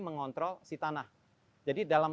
mengontrol si tanah jadi dalam